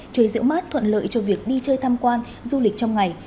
trời diễu mát thuận lợi cho việc đi chơi tham quan du lịch trong ngày